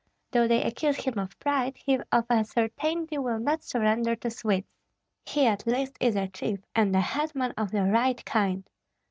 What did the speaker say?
Though they accuse him of pride, he of a certainty will not surrender to Swedes. He at least is a chief and a hetman of the right kind.